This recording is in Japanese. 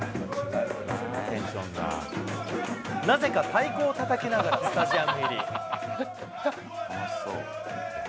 なぜか太鼓をたたきながらスタジアム入り。